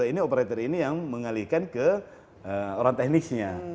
nanti di satu ratus dua belas ini operator ini yang mengalihkan ke orang teknisnya